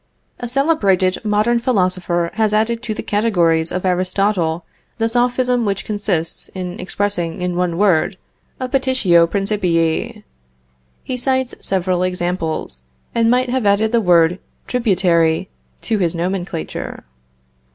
A celebrated modern Philosopher has added to the categories of Aristotle the Sophism which consists in expressing in one word a petitio principii. He cites several examples, and might have added the word tributary to his nomenclature.